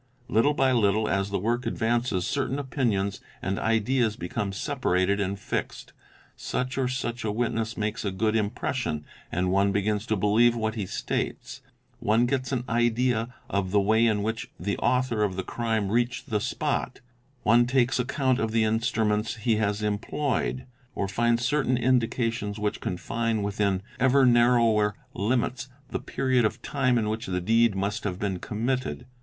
Little by little as the work advances, certain opinions and ideas become separated and fixed: such or such a witness makes a good impression and one begins to believe what he states ; one gets an idea of the way in which the author of the crime reached the spot; one takes account of the instruments he has employed; or finds certain indica tions which confine within eyer narrower limits the period of time in which the deed must have been*committed.